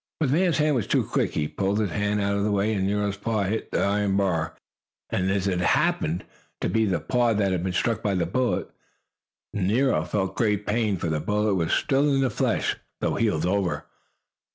But the man was too quick. He pulled his hand out of the way, and Nero's paw hit the iron bars. And as it happened to be the paw that had been struck by the bullet, Nero felt great pain, for the bullet was still in the flesh, though healed over.